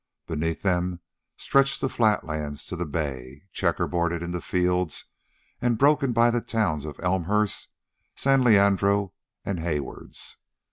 Beneath them stretched the flatlands to the bay, checkerboarded into fields and broken by the towns of Elmhurst, San Leandro, and Haywards.